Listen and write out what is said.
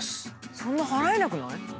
そんな払えなくない？